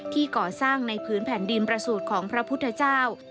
ก่อสร้างในพื้นแผ่นดินประสูจน์ของพระพุทธเจ้า